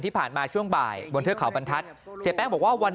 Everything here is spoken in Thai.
ที่ผ่านมาช่วงบ่ายบนเทือกเขาบรรทัศน์เสียแป้งบอกว่าวัน